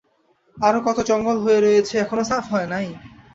আরও কত জঙ্গল হয়ে রয়েছে, এখনও সাফ হয় নাই।